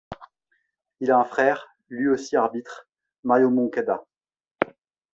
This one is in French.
Il a un frère, lui aussi arbitre, Mario Moncada.